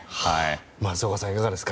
松岡さん、いかがですか。